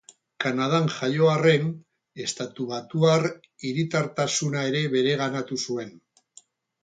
Kanadan jaio arren, estatubatuar herritartasuna ere bereganatu zuen.